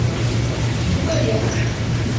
徐渭人。